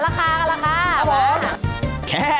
ครับ